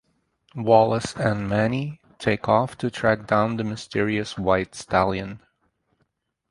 Wallace and Manny take off to track down the mysterious white stallion.